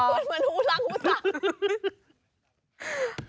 คุณเหมือนหูรักหูสัก